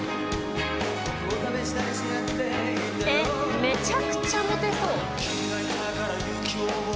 「めちゃくちゃモテそう」